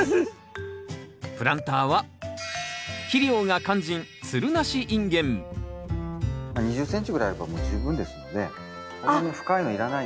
プランターは２０ｃｍぐらいあればもう十分ですのでそんなに深いのいらないんです。